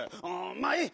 まあいい！